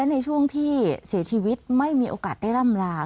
ในช่วงที่เสียชีวิตไม่มีโอกาสได้ร่ำลา